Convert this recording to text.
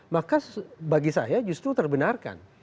maka bagi saya justru terbenarkan